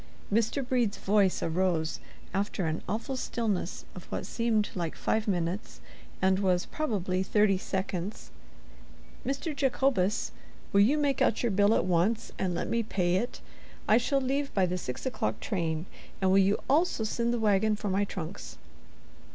Mr. Brede's voice arose, after an awful stillness of what seemed like five minutes, and was, probably, thirty seconds: "Mr. Jacobus, will you make out your bill at once, and let me pay it? I shall leave by the six o'clock train. And will you also send the wagon for my trunks?"